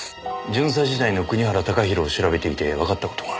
巡査時代の国原貴弘を調べていてわかった事が。